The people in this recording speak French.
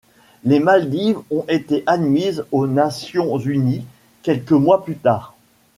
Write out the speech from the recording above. Les Maldives ont été admises aux Nations unies quelques mois plus tard.